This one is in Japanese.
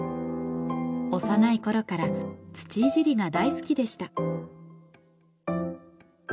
幼いころから土いじりが大好きでした。